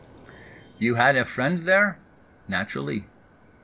—"You had a friend there?"—"Naturally."